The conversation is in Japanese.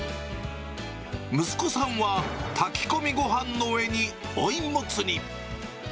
息子さんは、炊き込みごはんの上に追いモツ煮。